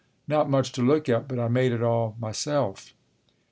"Not much to look at, but I made it all myself."